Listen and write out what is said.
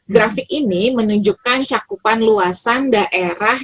grafik ini menunjukkan cakupan luasan daerah